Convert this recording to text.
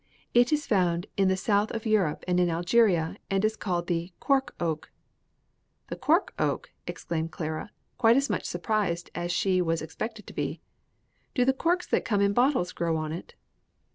It is found in the South of Europe and in Algeria, and is called the cork oak." "'The cork oak'!" exclaimed Clara, quite as much surprised as she was expected to be. "Do the corks that come in bottles grow on it?"